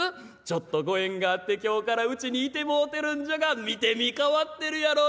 「ちょっとご縁があって今日からうちにいてもうてるんじゃが見てみい変わってるやろ？